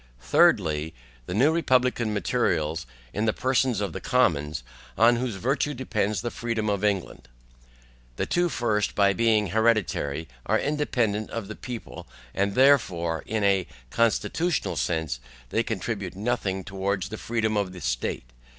THIRDLY. The new republican materials, in the persons of the commons, on whose virtue depends the freedom of England. The two first, by being hereditary, are independent of the people; wherefore in a CONSTITUTIONAL SENSE they contribute nothing towards the freedom of the state.